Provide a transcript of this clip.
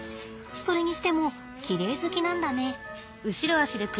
それにしてもきれい好きなんだね。